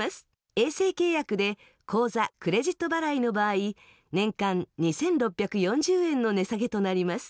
衛星契約で口座クレジット払いの場合年間２６４０円の値下げとなります。